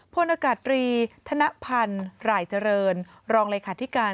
พลอากาศตรีธนพันธ์หลายเจริญรองเลขาธิการ